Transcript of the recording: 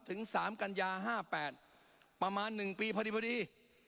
ถึงสามกัญญาห้าแปดประมาณหนึ่งปีพอดี